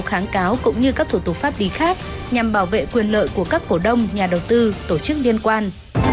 kháng cáo cũng như các thủ tục pháp lý khác nhằm bảo vệ quyền lợi của các cổ đông nhà đầu tư tổ chức liên quan